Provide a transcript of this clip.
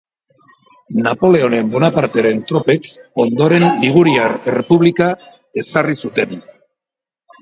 Napoleon Bonaparteren tropek ondoren Liguriar Errepublika ezarri zuten.